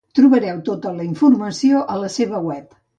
Trobareu tota la informació a la seva web.